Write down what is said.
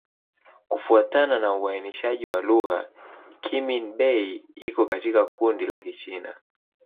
Kufuatana na uainishaji wa lugha, Kimin-Bei iko katika kundi la Kichina.